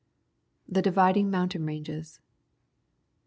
The Dividing Mountain Ranges.